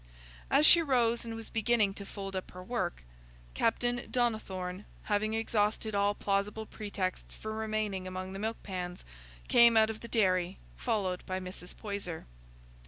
As she rose and was beginning to fold up her work, Captain Donnithorne, having exhausted all plausible pretexts for remaining among the milk pans, came out of the dairy, followed by Mrs. Poyser.